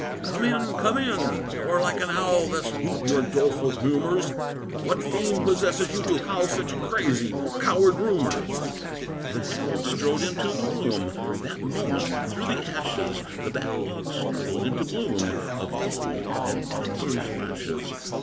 "Come in! come in! nor like an owl Thus hoot your doleful humors; What fiend possesses you to howl Such crazy, coward rumors?" The herald strode into the room; That moment, through the ashes, The back log struggled into bloom Of gold and crimson flashes.